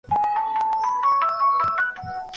Position lock করো।